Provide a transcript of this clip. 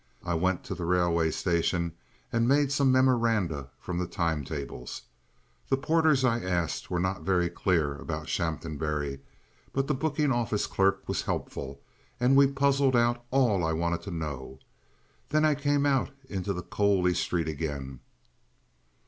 I went to the railway station and made some memoranda from the time tables. The porters I asked were not very clear about Shaphambury, but the booking office clerk was helpful, and we puzzled out all I wanted to know. Then I came out into the coaly street again.